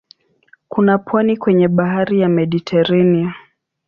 Kuna pwani kwenye bahari ya Mediteranea.